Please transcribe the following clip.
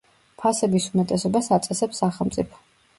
ფასების უმეტესობას აწესებს სახელმწიფო.